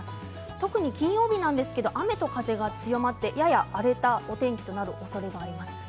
特に金曜日、雨と風が強まってやや荒れたお天気となるおそれがあります。